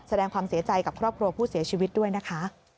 แสดงความเสียใจกับครอบครัวผู้เสียชีวิตด้วยนะคะ